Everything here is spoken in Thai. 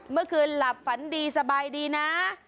เมื่อคืนหลับฝันดีสบายดีนะ